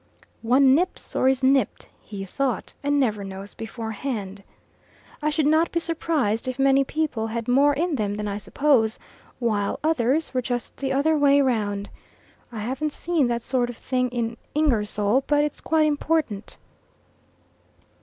"One nips or is nipped," he thought, "and never knows beforehand. I should not be surprised if many people had more in them than I suppose, while others were just the other way round. I haven't seen that sort of thing in Ingersoll, but it's quite important."